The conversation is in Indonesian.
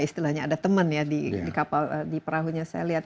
istilahnya ada teman ya di perahunya saya lihat